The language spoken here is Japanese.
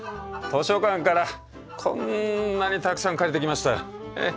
図書館からこんなにたくさん借りてきました。